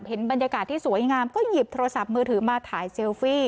เห็นบรรยากาศที่สวยงามก็หยิบโทรศัพท์มือถือมาถ่ายเซลฟี่